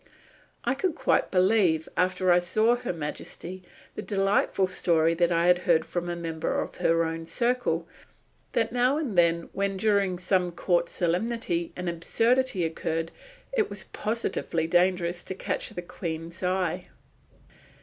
I could quite believe, after I saw Her Majesty, the delightful story that I had heard from a member of her own circle, that now and then, when during some court solemnity an absurdity occurred, it was positively dangerous to catch the Queen's eye!